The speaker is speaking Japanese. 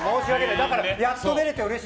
だからやっと出れてうれしい。